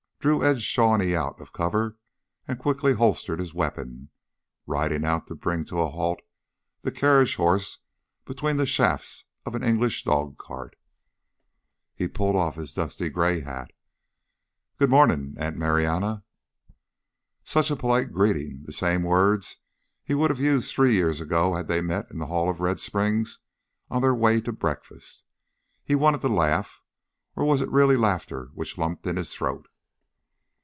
Drew edged Shawnee out of cover and then quickly holstered his weapon, riding out to bring to a halt the carriage horse between the shafts of an English dogcart. He pulled off his dust grayed hat. "Good mornin', Aunt Marianna." Such a polite greeting the same words he would have used three years ago had they met in the hall of Red Springs on their way to breakfast. He wanted to laugh, or was it really laughter which lumped in his throat?